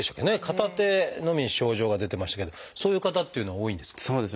片手のみ症状が出てましたけどそういう方っていうのは多いんですか？